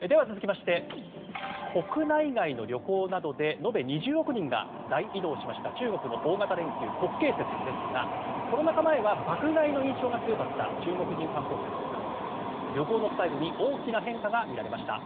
では続きまして国内外の旅行などで延べ２０億人が大移動しました中国の大型連休国慶節ですがコロナ禍前は爆買いの印象が強かった中国人観光客なんですが旅行のスタイルに大きな変化が見られました。